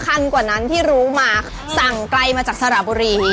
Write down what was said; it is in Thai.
เขาส่งเท่าไหร่ครับ